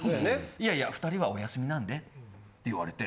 いやいや二人はお休みなんでって言われて。